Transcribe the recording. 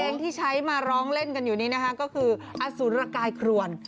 เพลงที่ใช้มาร้องเล่นกันอยู่นี้นะคะก็คืออสุรกายครวน